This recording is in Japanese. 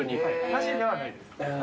なしではないです。